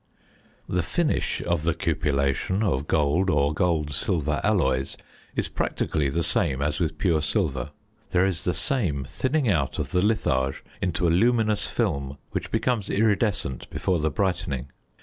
The finish of the cupellation of gold or gold silver alloys is practically the same as with pure silver; there is the same thinning out of the litharge into a luminous film which becomes iridescent before the brightening.